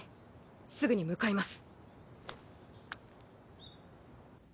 すぐに向かいます。